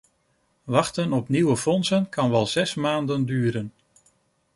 Wachten op nieuwe fondsen kan wel zes maanden duren.